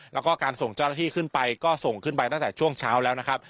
แล้วก็การส่งเจ้าหน้าที่ขึ้นไปก็ส่งขึ้นไปตั้งแต่ช่วงเช้าแล้วนะครับ